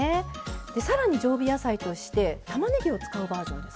で更に常備野菜としてたまねぎを使うバージョンですね。